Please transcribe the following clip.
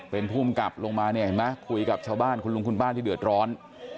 เป็นภูมิกับลงมาเนี่ยเห็นไหมคุยกับชาวบ้านคุณลุงคุณป้าที่เดือดร้อน